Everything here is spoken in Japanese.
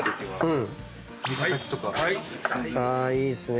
あいいっすね。